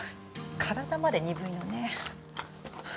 体まで鈍いのね